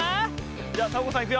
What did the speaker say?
じゃあサボ子さんいくよ。